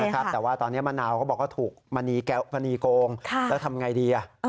แต่ว่าตอนนี้มะนาวก็บอกว่าถูกมณีโกงแล้วทำไงดี